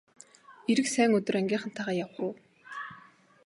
Ирэх сайн өдөр ангийнхантайгаа явах уу!